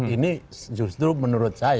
ini justru menurut saya